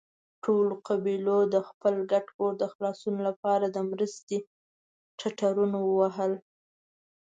ټولو قبيلو د خپل ګډ کور د خلاصون له پاره د مرستې ټټرونه ووهل.